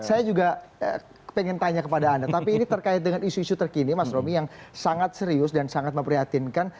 saya juga pengen tanya kepada anda tapi ini terkait dengan isu isu terkini mas romi yang sangat serius dan sangat memprihatinkan